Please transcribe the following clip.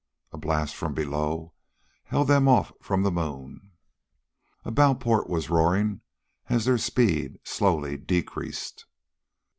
A blast from below held them off from the moon. A bow port was roaring as their speed slowly decreased.